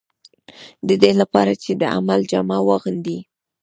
د دې لپاره چې د عمل جامه واغوندي.